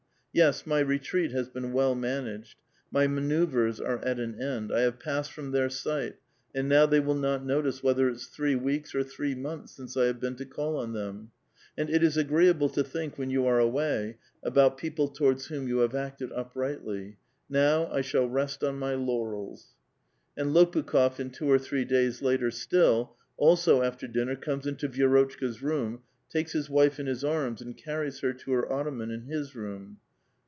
Yes, my retreat has been well managed ; my manoeuvres are at an end ; I have passed from their sight, and now they will not notice whether it's three weeks or three months since I have been to call on them. And it is ascreeable to think, when you are away, about people towards whom you have acted uprightly. Now I shall rest on my laurels." And Lopukh6f in two or three days later still, also after dinner, comes into Vi<5rotchka's room, takes his wife in his arms and carries her to her ottoman in his room.